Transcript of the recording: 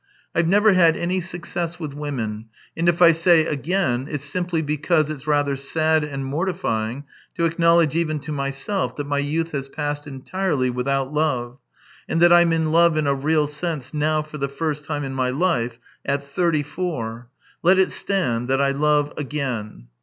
I've never had any success with women, and if I say again it's simply because it's rather sad and mortifying to acknowledge even to myself that my youth has passed entirely without love, and that I'm in love in a real sense now for the first time in my life, at thirty four. Let it stand that I love again.